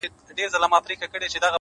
د ټپې په رزم اوس هغه ده پوه سوه؛